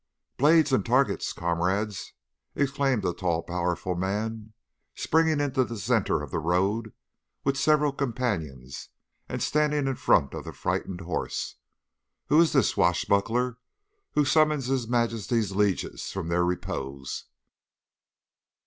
"'Blades and targets, comrades!' exclaimed a tall powerful man, springing into the centre of the road with several companions, and standing in front of the frightened horse. 'Who is this swashbuckler who summons his Majesty's lieges from their repose?